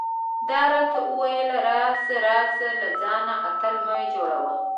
ده راته وویل: راشه راشه، له ځانه اتل مه جوړه.